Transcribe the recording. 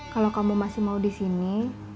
kalau kamu masih mau disini